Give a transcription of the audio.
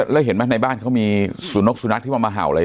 แล้วเห็นไหมในบ้านเขามีสุนกสุนัขที่ว่ามาเห่าอะไร